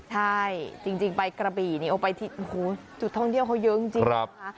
ใช่จริงไปกระบี่นี่เอาไปจุดท่องเที่ยวเขาเยอะจริงนะคะ